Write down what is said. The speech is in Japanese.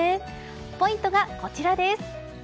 ポイントがこちらです。